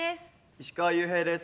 石川裕平です。